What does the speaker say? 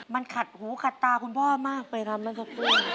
มันขัดหูขัดตาคุณพ่อมากไปครับ